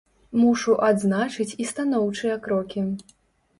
Мушу адзначыць і станоўчыя крокі.